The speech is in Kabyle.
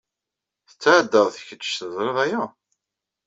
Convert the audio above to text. Tetɛeddaḍ kečč, teẓriḍ aya?